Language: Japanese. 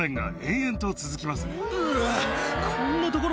うわ！